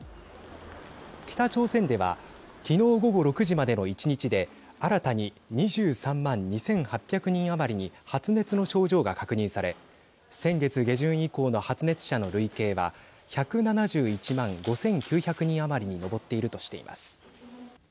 北朝鮮ではきのう午後６時までの１日で新たに２３万２８００人余りに発熱の症状が確認され先月下旬以降の発熱者の累計が１７１万５９００人余りに上っているとしています。